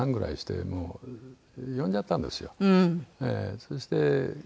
そして。